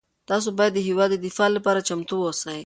تاسو باید د هېواد د دفاع لپاره چمتو اوسئ.